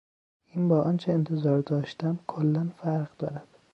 این با آنچه انتظار داشتم کلا فرق دارد.